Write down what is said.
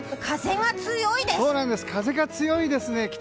風が強いですね。